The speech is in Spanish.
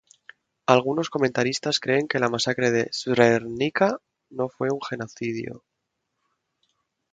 Algunos comentaristas creen que la masacre de Srebrenica no fue un genocidio.